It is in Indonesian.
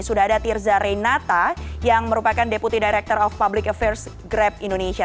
sudah ada tirza reinata yang merupakan deputi director of public affairs grab indonesia